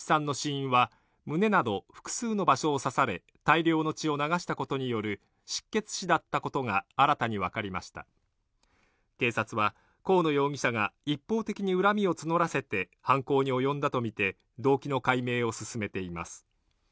司法解剖の結果健一さんの死因は胸など複数の場所を刺され大量の血を流したことによる失血死だったことが新たに分かりました警察は河野容疑者が一方的に恨みを募らせて犯行に及んだと見て動機の解明を進めています